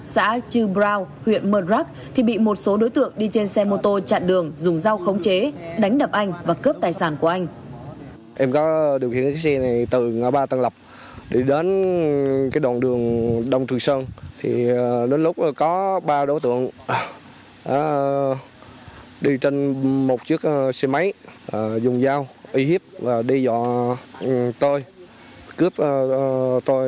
đang được công an huyện mơ rác tiếp tục điều tra mở rộng để xử lý theo quy định của pháp luật